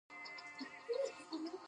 له هنده په غزا پسې راغلی.